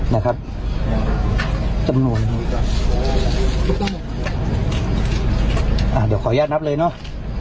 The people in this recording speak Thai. นะครับจำนวนอ่าเดี๋ยวขออนุญาตนับเลยน่ะ